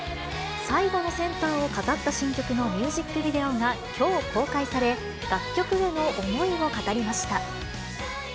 最後のセンターを飾った新曲のミュージックビデオが、きょう公開され、楽曲への思いを語りました。